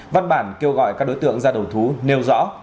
văn bản kêu gọi các đối tượng ra đầu thú nêu rõ